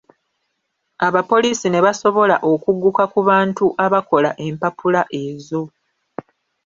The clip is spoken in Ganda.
Abapoliisi ne basobola okugguka ku bantu abakola empapula ezo.